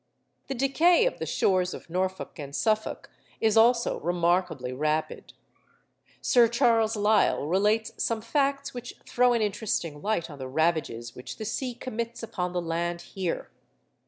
The decay of the shores of Norfolk and Suffolk is also remarkably rapid. Sir Charles Lyell relates some facts which throw an interesting light on the ravages which the sea commits upon the land here.